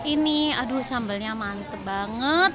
ini aduh sambalnya mantep banget